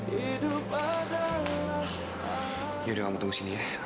ya udah kamu tunggu sini ya